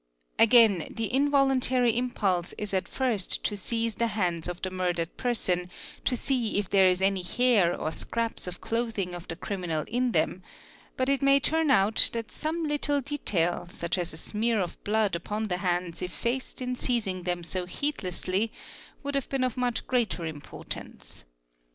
4 Again the involuntary impulse is at first to seize the hands of t murdered person to see if there is any hair or scraps of clothing of the criminal in them, but it may turn out that some little detail, such as DESCRIPTION OF THE SCENE OF OFFENCE 131 smear of blood upon the hands effaced in seizing them so heedlessly, would have been of much greater importance.